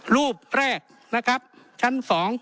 รูปแรกนะครับชั้น๒